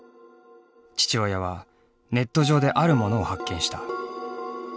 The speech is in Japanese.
父親はネット上であるものを発見した。